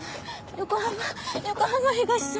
横浜横浜東署。